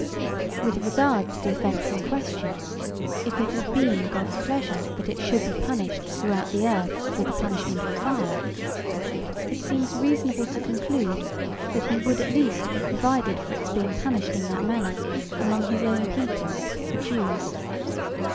With regard to the offence in question if it had been God's pleasure that it should be punished throughout the earth with the punishment of fire, it seems reasonable to conclude that he would at least have provided for its being punished in that manner among his own people, the Jews.